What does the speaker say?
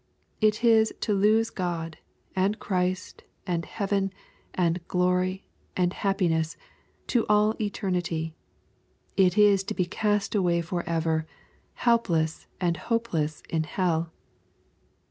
It is to lose God, and Christ, and heaven, and glory, and happiness, to all eternity. It is to be cast away forever, helpless and hopeless in hell